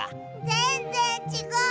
ぜんぜんちがう！